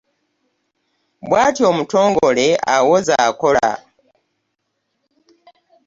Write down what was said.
Bwatyo omutongole awoza akola .